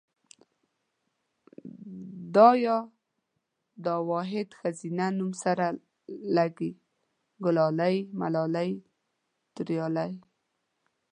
دا ۍ دا واحد ښځينه نوم سره لګي، ګلالۍ ملالۍ توريالۍ